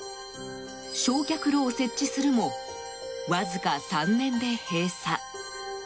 焼却炉を設置するもわずか３年で閉鎖。